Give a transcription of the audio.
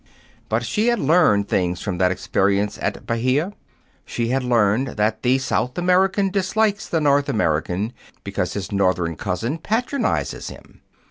But she had learned things from that experience at Bahia. She had learned that the South American dislikes the North American because his Northern cousin patronizes him.